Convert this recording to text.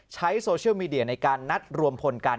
ใช้โซเชียลมีเดียในการนัดรวมพลกัน